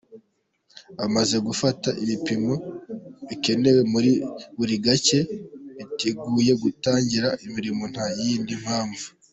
Bamaze gufata ibipimo bikenewe muri buri gace, biteguye gutangira imirimo nta yindi mpamvu.